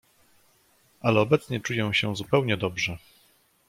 "Ale obecnie czuję się zupełnie dobrze."